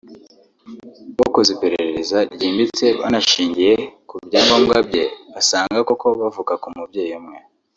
bakoze iperereza ryimbitse banashingiye ku byangombwa bye basanga koko bavuka ku mubyeyi umwe